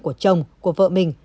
của chồng của vợ mình